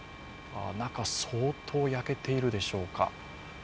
中、相当焼けているでしょうか。